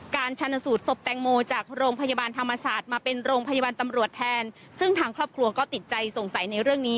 ชนสูตรศพแตงโมจากโรงพยาบาลธรรมศาสตร์มาเป็นโรงพยาบาลตำรวจแทนซึ่งทางครอบครัวก็ติดใจสงสัยในเรื่องนี้